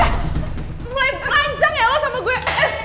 eh mulai belancang ya lo sama gue